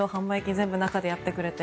全部、中でやってくれて。